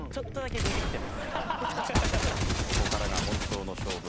ここからが本当の勝負。